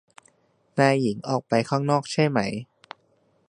นายหญิงออกไปข้างนอกใช่ไหม